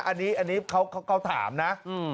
อันนี้เขาถามนะ